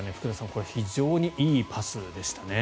これ非常にいいパスでしたね。